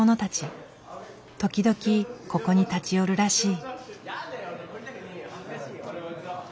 時々ここに立ち寄るらしい。